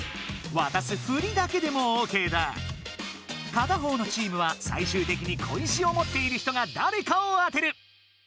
片方のチームは最しゅうてきに小石を持っている人がだれかを当てる。